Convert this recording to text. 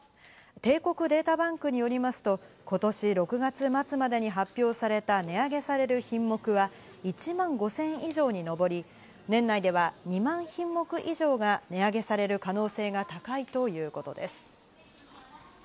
帝国データバンクによりますと今年６月末までに発表された値上げされる品目は１万５０００以上にのぼり、年内では２万品目以上が値上げされる可能性が高いということです。